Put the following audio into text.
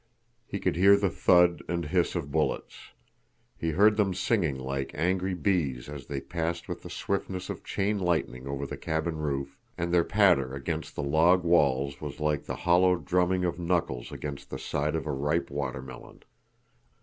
He could hear the thud and hiss of bullets; he heard them singing like angry bees as they passed with the swiftness of chain lightning over the cabin roof, and their patter against the log walls was like the hollow drumming of knuckles against the side of a ripe watermelon.